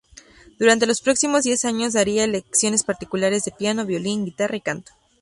Durante los próximos diez años daría lecciones particulares de piano, violín, guitarra y canto.